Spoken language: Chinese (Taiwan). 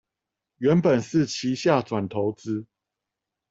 原本是旗下轉投資